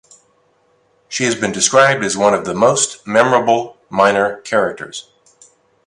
She has been described as "one of the most memorable minor characters".